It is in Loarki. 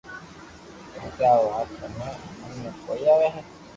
ڪونڪھ آ وات مني ھمگ ۾ڪوئي آوي ھي